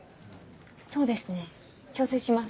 そうですね調整します。